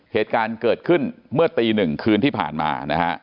เหตุการณ์เกิดขึ้นเมื่อตีหนึ่งคืนที่ผ่านมานะฮะ